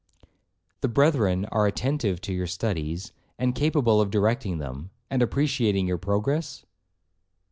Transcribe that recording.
'The brethren are attentive to your studies, and capable of directing them, and appreciating your progress.'